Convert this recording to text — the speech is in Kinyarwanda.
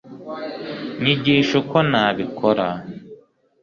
nyigisha uko nabikora